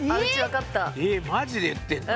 えマジで言ってんの！？